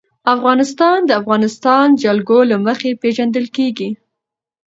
افغانستان د د افغانستان جلکو له مخې پېژندل کېږي.